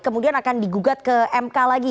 kemudian akan digugat ke mk lagi